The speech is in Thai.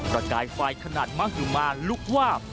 ประกายไฟขนาดมหุมานลุกวาบ